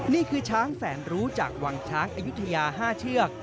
นี่คือช้างแสนรู้จากวังช้างอายุทยา๕เชือก